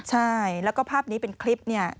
ใช่แล้วก็ภาพนี้เป็นคลิปเนี่ย